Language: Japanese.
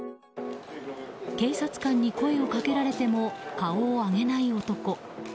警察官に声をかけられても顔を上げない男。